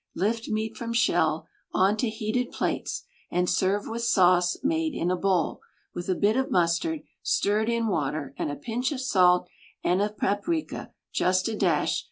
Lift meat from shell. Onto heated plates. And serve with sauce. Made in a bowl. With a bit of mustard. Stirred in water. And a pinch of salt. And of paprika. Just a dash.